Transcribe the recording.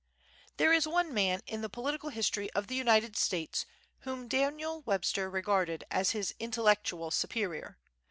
There is one man in the political history of the United States whom Daniel Webster regarded as his intellectual superior.